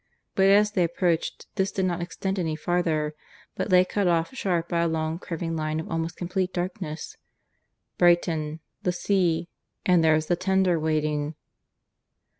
But as they approached this did not extend any farther, but lay cut off sharp by a long, curving line of almost complete darkness. "Brighton ... the sea ... And there's the tender waiting."